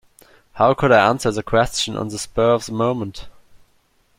How could I answer the question on the spur of the moment.